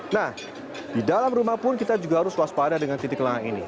nah di dalam rumah pun kita juga harus waspada dengan titik lengang ini